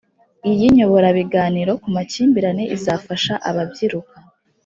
iyi nyoborabiganiro ku makimbirane izafasha ababyiruka